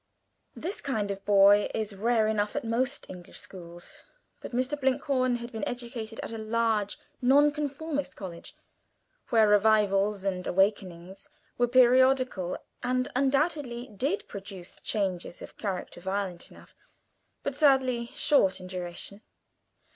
This kind of boy is rare enough at most English schools, but Mr. Blinkhorn had been educated at a large Nonconformist College, where "Revivals" and "Awakenings" were periodical, and undoubtedly did produce changes of character violent enough, but sadly short in duration.